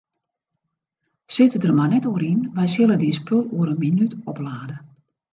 Sit der mar net oer yn, wy sille dyn spul oer in minút oplade.